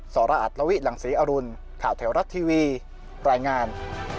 สรอัตลวิหลังศรีอรุณข่าวแถวรัฐทีวีรายงาน